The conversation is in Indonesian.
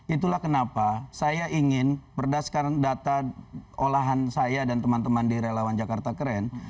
itulah kenapa saya ingin berdasarkan data olahan saya dan teman teman di relawan jakarta keren